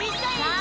あ